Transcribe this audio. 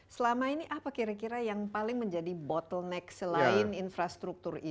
selama ini apa kira kira yang paling menjadi bottleneck selain infrastruktur ini